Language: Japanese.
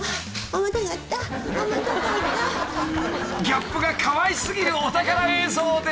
［ギャップがかわい過ぎるお宝映像でした］